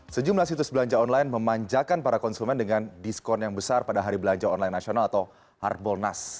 sejumlah situs belanja online memanjakan para konsumen dengan diskon yang besar pada hari belanja online nasional atau harbolnas